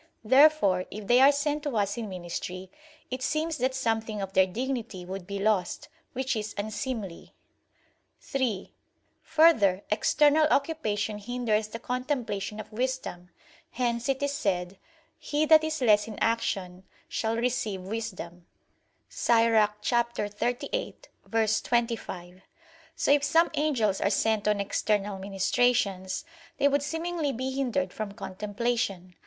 Therefore if they are sent to us in ministry, it seems that something of their dignity would be lost; which is unseemly. Obj. 3: Further, external occupation hinders the contemplation of wisdom; hence it is said: "He that is less in action, shall receive wisdom" (Ecclus. 38:25). So if some angels are sent on external ministrations, they would seemingly be hindered from contemplation.